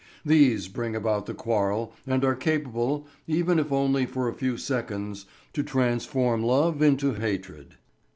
These bring about the quarrel, and are capable, even if only for a few seconds, to transform love into hatred.